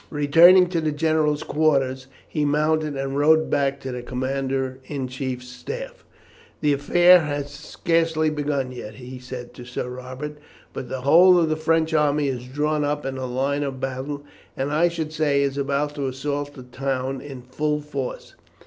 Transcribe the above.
Returning to the general's quarters he mounted and rode back to the commander in chief's staff. "The affair has scarcely begun yet," he said to Sir Robert, "but the whole of the French army is drawn up in line of battle, and, I should say, is about to assault the town in full force."